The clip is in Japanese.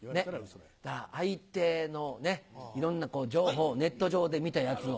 相手のいろんな情報ネット上で見たやつを。